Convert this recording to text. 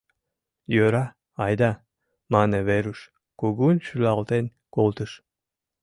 — Йӧра, айда, — мане Веруш, кугун шӱлалтен колтыш.